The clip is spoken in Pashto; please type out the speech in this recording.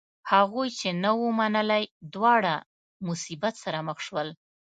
هغوی چې نه و منلی دواړه مصیبت سره مخ شول.